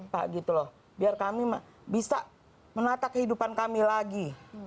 pak gitu loh biar kami bisa menata kehidupan kami lagi